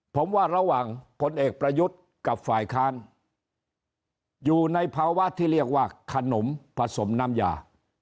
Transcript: ผมว่าระหว่างพลเอกประยุทธ์กับฝ่ายค้านอยู่ในภาวะที่เรียกว่าขนมผสมน้ำยา